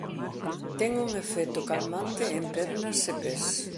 Ten un efecto calmante en pernas e pés.